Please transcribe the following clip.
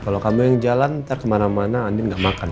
kalau kamu yang jalan ntar kemana mana andin nggak makan